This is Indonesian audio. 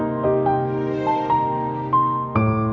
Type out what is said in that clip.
aku gak bisa tidur semalaman